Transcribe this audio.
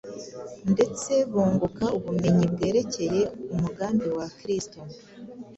ndetse bunguka ubumenyi bwerekeye umugambi wa Kristo.